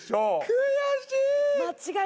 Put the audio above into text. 悔しい！